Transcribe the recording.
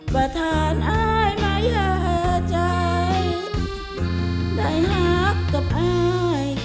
ประธานอายมายาใจได้หักกับอาย